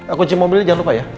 aku nceng mobilnya jangan lupa ya